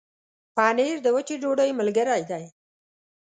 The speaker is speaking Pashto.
پنېر د وچې ډوډۍ ملګری دی.